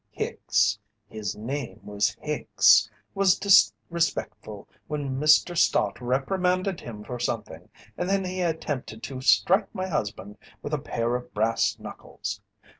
"Hicks his name was Hicks was disrespectful when Mr. Stott reprimanded him for something, and then he attempted to strike my husband with a pair of brass knuckles.